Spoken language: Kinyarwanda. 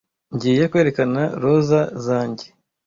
Ngiye kwerekana roza zanjye